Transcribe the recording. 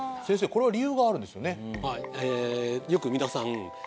これは理由があるんですよね？